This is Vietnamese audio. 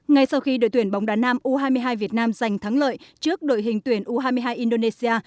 ngay sau khi đội tuyển bóng đá nam u hai mươi hai việt nam giành thắng lợi trước đội hình tuyển u hai mươi hai indonesia